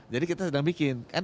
jadi kita sedang bikin